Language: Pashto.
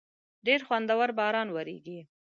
ډېر خوندور باران وریږی